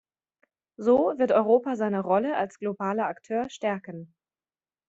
So wird Europa seine Rolle als globaler Akteur stärken.